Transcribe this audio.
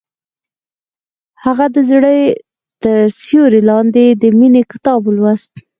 هغې د زړه تر سیوري لاندې د مینې کتاب ولوست.